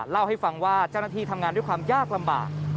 เล่าให้ฟังว่าเจ้าหน้าที่ทำงานด้วยความยากลำบาก